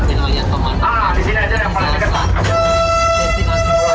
di sini saja yang paling dekat